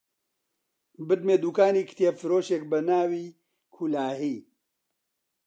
بردمیە دووکانی کتێبفرۆشێک بە ناوی کولاهی